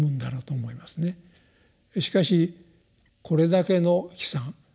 しかしこれだけの悲惨